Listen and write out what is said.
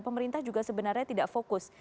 pemerintah juga sebenarnya tidak fokus